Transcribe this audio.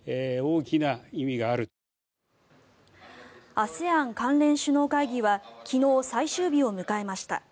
ＡＳＥＡＮ関連首脳会議は昨日、最終日を迎えました。